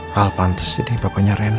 hal pantas sih nih bapanya rena